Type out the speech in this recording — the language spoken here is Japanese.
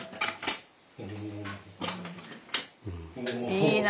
いいな。